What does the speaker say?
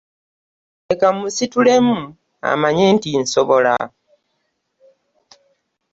Leka mmusitulemu amanye nti nsobola.